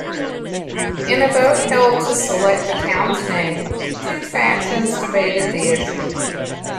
In a vote held to select the town's name, two factions debated the issue.